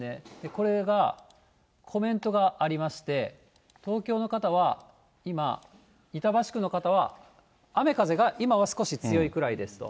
これがコメントがありまして、東京の方は今、板橋区の方は雨風が今は少し強いくらいですと。